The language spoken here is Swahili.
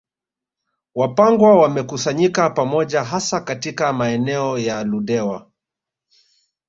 Wapangwa wamekusanyika pamoja hasa katika maeneo ya Ludewa